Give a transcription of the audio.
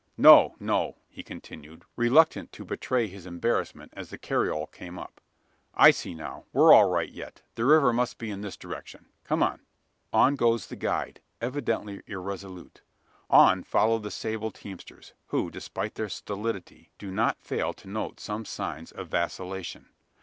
No, no!" he continued, reluctant to betray his embarrassment as the carriole came up. "I see now. We're all right yet. The river must be in this direction. Come on!" On goes the guide, evidently irresolute. On follow the sable teamsters, who, despite their stolidity, do not fail to note some signs of vacillation.